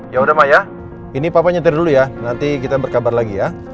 yaudah mah ya ini papa nyetir dulu ya nanti kita berkabar lagi ya